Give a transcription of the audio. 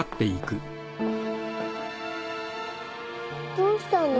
どうしたの？